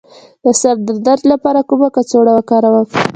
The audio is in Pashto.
د سر د درد لپاره کومه کڅوړه وکاروم؟